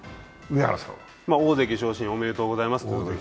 大関昇進おめでとうございます。